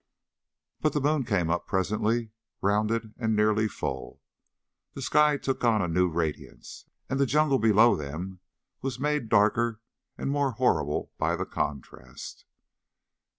But the moon came up presently, rounded and nearly full. The sky took on a new radiance, and the jungle below them was made darker and more horrible by the contrast.